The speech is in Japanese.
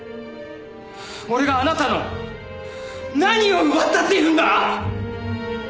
俺があなたの何を奪ったっていうんだ！？